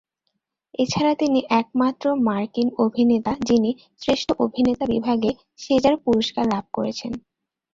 এছাড়া তিনি একমাত্র মার্কিন অভিনেতা যিনি শ্রেষ্ঠ অভিনেতা বিভাগে সেজার পুরস্কার লাভ করেছেন।